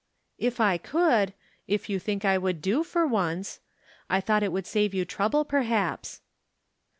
"" If I could. If you think I ■would do for once. I thought it would save you trouble, perhaps."